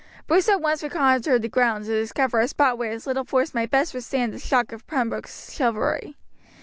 Bruce at once reconnoitred the ground to discover a spot where his little force might best withstand the shock of Pembroke's chivalry.